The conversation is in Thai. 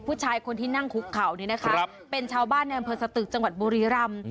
ผู้ชายคนที่นั่งคุกเขานี่นะคะเป็นชาวบ้านในอำเภอสตึกจังหวัดบุรีรำ